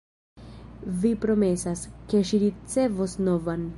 Vi promesas, ke ŝi ricevos novan.